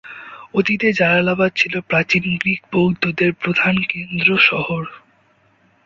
অতীতে জালালাবাদ ছিল প্রাচীন গ্রীক-বৌদ্ধদের প্রধান কেন্দ্র শহর।